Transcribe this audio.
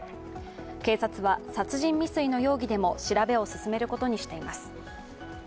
警察は、殺人未遂の容疑でも調べを進めることにしています。